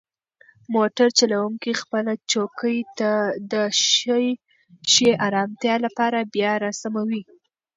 موټر چلونکی خپله چوکۍ د ښې ارامتیا لپاره بیا راسموي.